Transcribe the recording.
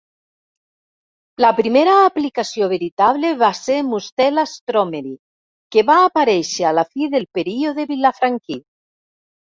La primera aplicació veritable va ser "Mustela stromeri", que va aparèixer a la fi del període vilafranquí.